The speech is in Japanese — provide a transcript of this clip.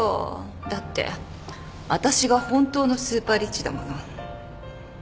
だって私が本当のスーパーリッチだもの